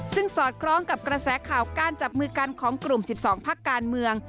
ซึ่งสอดคล้องกับกระแสข่าวการจับมือกันของกลุ่ม๑๒พักการเมือง